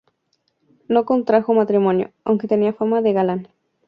No contrajo matrimonio, aunque tenía fama de galán.